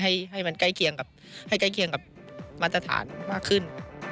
ให้มันใกล้เคียงกับมาตรฐานมากขึ้น